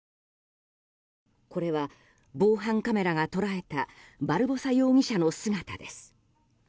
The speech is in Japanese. これは防犯カメラが捉えたバルボサ容疑者の姿です。